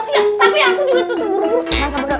tapi aku juga tuh bodoh bodoh